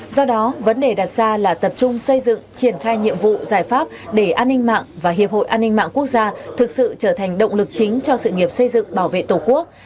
do đó vấn đề đặt ra là tập trung xây dựng triển khai nhiệm vụ giải pháp để an ninh mạng và hiệp hội an ninh mạng quốc gia thực sự trở thành động lực chính cho sự nghiệp xây dựng bảo vệ tổ quốc